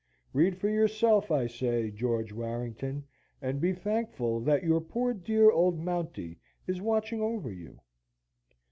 Read for yourself, I say, George Warrington, and be thankful that your poor dear old Mounty is watching over you!"